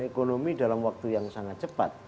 ekonomi dalam waktu yang sangat cepat